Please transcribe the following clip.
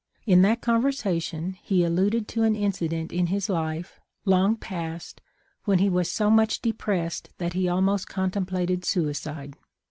In that conversation he alluded to an incident in' his life, long passed, when he was so much depressed that he almost contemplated suicide.